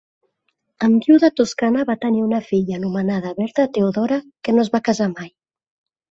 Amb Guiu de Toscana va tenir una filla anomenada Berta Theodora que no es va casar mai.